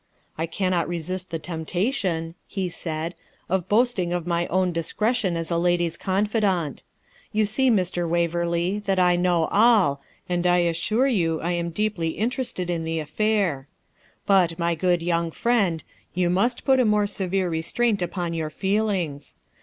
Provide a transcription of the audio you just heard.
'I cannot resist the temptation,' he said, 'of boasting of my own discretion as a lady's confidant. You see, Mr. Waverley, that I know all, and I assure you I am deeply interested in the affair. But, my good young friend, you must put a more severe restraint upon your feelings.